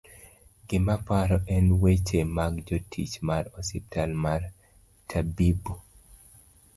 gimaparo en weche mag jotich mar ospital mar Tabibu